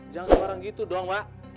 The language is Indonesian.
jangan kemarang gitu dong pak